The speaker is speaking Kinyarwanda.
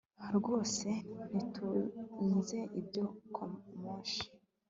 wowe se ntutunze ibyo kamoshi